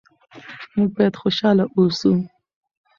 موږ باید خوشحاله اوسو.